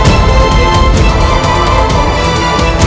itu raden kian santang